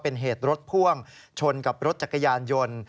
เป็นเหตุรถพ่วงชนกับรถจักรยานยนต์